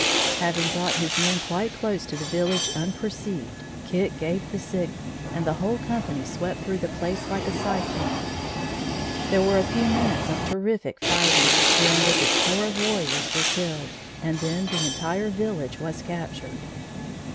Having brought his men quite close to the village unperceived, Kit gave the signal and the whole company swept through the place like a cyclone. There were a few minutes of terrific fighting, during which a score of warriors were killed, and then the entire village was captured.